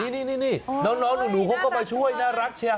นี่นี่น้องหนูเข้ามาช่วยน่ารักเชีย